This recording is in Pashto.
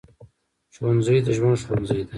ښوونځی د ژوند ښوونځی دی